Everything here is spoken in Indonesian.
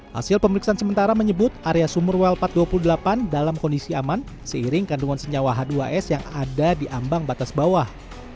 hasil pemeriksaan sementara menyebut area sumur well empat ratus dua puluh delapan dalam kondisi aman seiring kandungan senyawa h dua s yang ada di ambang batas bawah